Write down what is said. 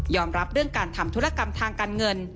รับเรื่องการทำธุรกรรมทางการเงิน